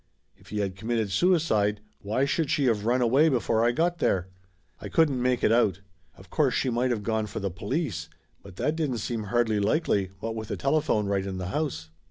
If he had committed suicide, why should she of run away before I got there? I couldn't make it out. Of course she might of gone for the police, but that didn't seem hardly likely, what with a telephone right in the house.